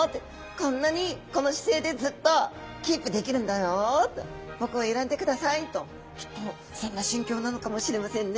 こんなにこの姿勢でずっとキープできるんだよと僕を選んでくださいときっとそんな心境なのかもしれませんね。